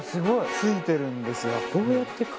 付いてるんですよ。